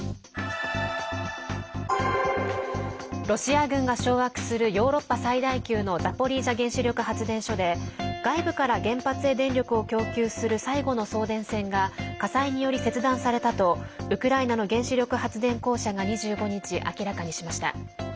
ロシア軍が掌握するヨーロッパ最大級のザポリージャ原子力発電所で外部から原発へ電力を供給する最後の送電線が火災により切断されたとウクライナの原子力発電公社が２５日、明らかにしました。